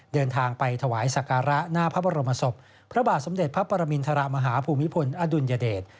เดินทางไปถวายสักการะหน้าพระบรมศพพระบาทสมเด็จพระปรมินทรมาฮาภูมิพลอดุลยเดช